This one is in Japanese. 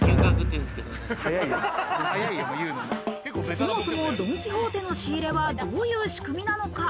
そもそもドン・キホーテの仕入れはどういう仕組みなのか？